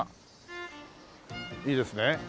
いいですね？